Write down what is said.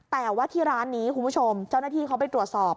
แต่ว่าที่ร้านนี้คุณผู้ชมเจ้าหน้าที่เขาไปตรวจสอบ